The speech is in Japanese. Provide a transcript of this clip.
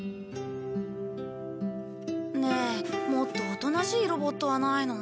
ねえもっとおとなしいロボットはないの？